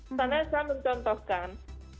misalnya saya mencontohkan